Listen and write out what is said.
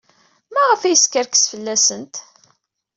Maɣef ay yeskerkes fell-asent?